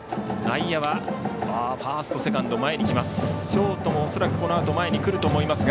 内野はファースト、セカンド前に来ます。